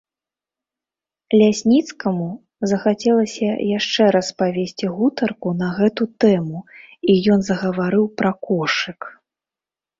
Лясніцкаму захацелася яшчэ раз павесці гутарку на гэту тэму, і ён загаварыў пра кошык.